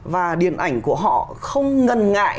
và điện ảnh của họ không ngần ngại